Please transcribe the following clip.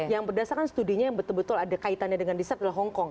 yang berdasarkan studinya yang betul betul ada kaitannya dengan riset adalah hongkong